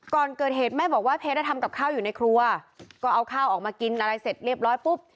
ก่อนเกิดเหตุแม่บอกว่าเพชรทำกับข้าวอยู่ในครัวก็เอาข้าวออกมากินอะไรเสร็จเรียบร้อยปุ๊บ